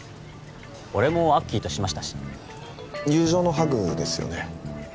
俺もアッキーとしましたし友情のハグですよね